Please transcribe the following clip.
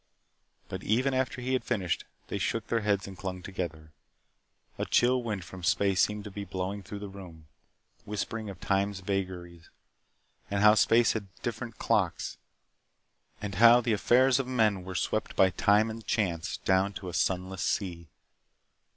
But even after he had finished, they shook their heads and clung together. A chill wind from space seemed to be blowing through the room, whispering of time's vagaries, and how space had different clocks, and how the affairs of men were swept by time and chance down to a sunless sea.